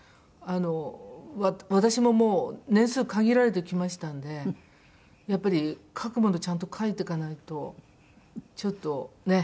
私ももう年数限られてきましたんでやっぱり書くものちゃんと書いていかないとちょっとねっ。